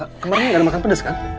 sa kemarin gak ada makan pedes kan